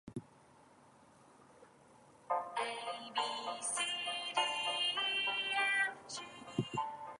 He received most of his early education from his father.